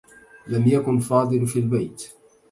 لم يكن فاضل في البيت.